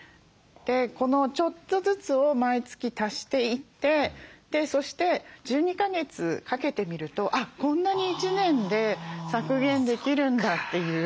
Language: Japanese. このちょっとずつを毎月足していってそして１２か月かけてみるとこんなに１年で削減できるんだっていう。